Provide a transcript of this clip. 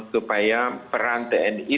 supaya peran tni